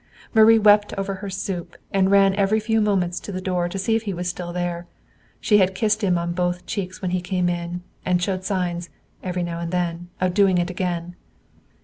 Marie wept over her soup, and ran every few moments to the door to see if he was still there. She had kissed him on both cheeks when he came in, and showed signs, every now and then, of doing it again.